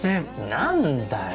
何だよ！